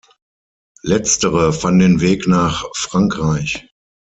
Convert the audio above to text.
Letztere fanden den Weg nach Frankreich.